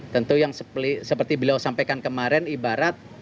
tentu yang seperti beliau sampaikan kemarin ibarat